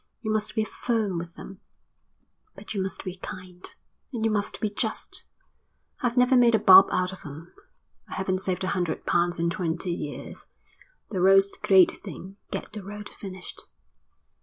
You must be firm with them, but you must be kind. And you must be just. I've never made a bob out of them. I haven't saved a hundred pounds in twenty years. The road's the great thing. Get the road finished."